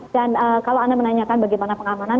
dan kalau anda menanyakan bagaimana pengamanan